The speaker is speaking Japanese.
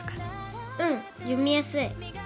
うん。読みやすい。